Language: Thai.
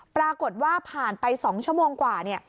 ปรากฏว่าผ่านไป๒ชั่วโมงกว่าเนี่ย